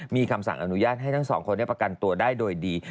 มีคำสั่งอนุญาตให้ทั้งสองคนได้ประกันตัวได้โดยดี